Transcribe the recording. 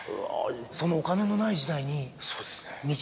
そのお金のない時代に。